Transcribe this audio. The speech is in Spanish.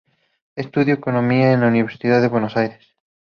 Estudió economía en la Universidad de Buenos Aires.